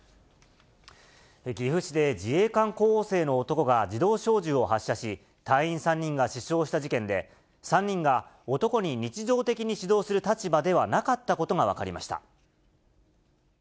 岐阜市で自衛官候補生の男が自動小銃を発射し、隊員３人が死傷した事件で、３人が男に日常的に指導する立場ではなかったことが分かりました。